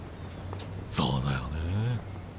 そうだよね。